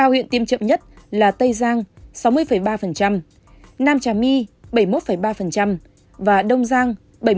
ba huyện tiêm chậm nhất là tây giang sáu mươi ba nam trà my bảy mươi một ba và đông giang bảy mươi chín